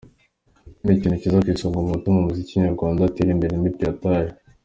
Ikindi kintu kiza no ku isonga mu bituma umuziki nyarwanda udatera imbere ni pirataje.